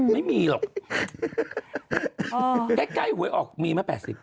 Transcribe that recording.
ไม่มีหรอกใกล้หวยออกมีไหม๘๐